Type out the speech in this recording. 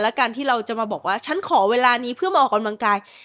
และการที่เราจะมาบอกว่าฉันขอเวลานี้เพื่อมาออกกำลังกาย